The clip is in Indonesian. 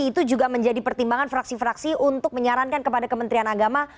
itu juga menjadi pertimbangan fraksi fraksi untuk menyarankan kepada kementerian agama